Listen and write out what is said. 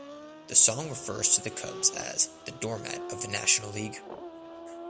The song refers to the Cubs as "the doormat of the National League".